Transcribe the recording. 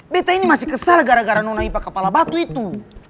betta ini masih kesal gara gara nona ipa kepala batu itu